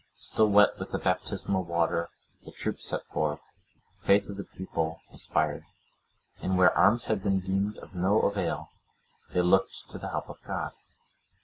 Still wet with the baptismal water the troops set forth; the faith of the people was fired; and where arms had been deemed of no avail, they looked to the help of God.